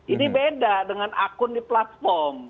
ini beda dengan akun di platform